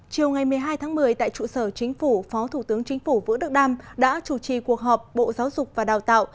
chiều ngày một mươi hai tháng một mươi tại trụ sở chính phủ phó thủ tướng chính phủ vũ đức đam đã chủ trì cuộc họp bộ giáo dục và đào tạo